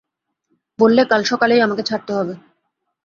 বললে, কাল সকালেই আমাকে ছাড়তে হবে।